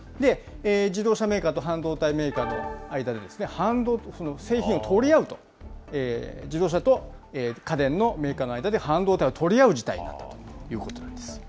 自動車メーカーと半導体メーカーの間で、その製品を取り合うと、自動車と家電のメーカーの間で、半導体を取り合う事態になったということなんです。